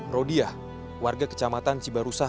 rodiah warga kecamatan cibarusah